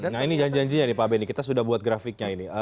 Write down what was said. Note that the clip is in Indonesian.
nah ini janjinya nih pak benny kita sudah buat grafiknya ini